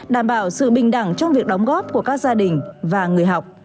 đảm bảo sự bình đẳng trong việc đóng góp của các gia đình và người học